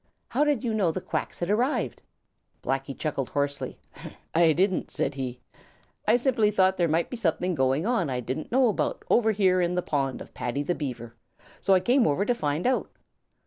How did you know the Quacks had arrived?" Blacky chuckled hoarsely. "I didn't," said he. "I simply thought there might be something going on I didn't know about over here in the pond of Paddy the Beaver, so I came over to find out.